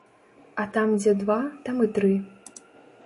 А там дзе два там і тры.